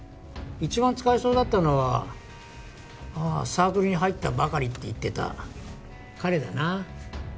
一番使えそうだったのはサークルに入ったばかりって言ってた彼だな。